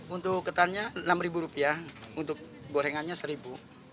untuk ketannya rp enam untuk gorengannya rp satu